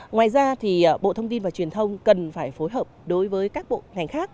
ngoài ra thì bộ thông tin và truyền thông cần phải phối hợp đối với các bộ ngành khác